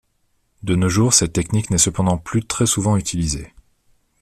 De nos jours, cette technique n‘est cependant plus très souvent utilisée.